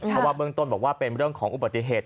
เพราะว่าเบื้องต้นบอกว่าเป็นเรื่องของอุบัติเหตุ